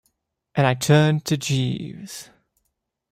And I turned to Jeeves.